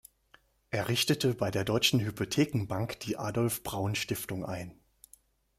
Er richtete bei der Deutschen Hypothekenbank die „Adolf-Braun-Stiftung“ ein.